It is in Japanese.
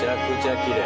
きれい！